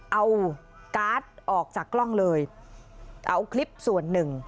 เอาการ์ดออกจากกล้องเลยเอาคลิปส่วนหนึ่ง